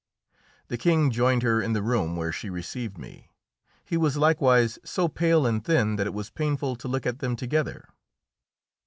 The King joined her in the room where she received me. He was likewise so pale and thin that it was painful to look at them together.